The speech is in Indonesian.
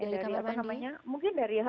dari kamar mandi